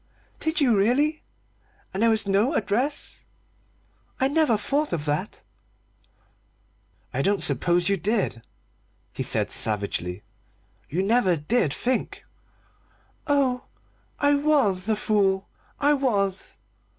"Did you really? And there was no address? I never thought of that." "I don't suppose you did," he said savagely; "you never did think!" "Oh, I was a fool! I was!"